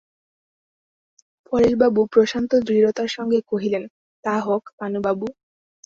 পরেশবাবু প্রশান্ত দৃঢ়তার সঙ্গে কহিলেন, তা হোক পানুবাবু।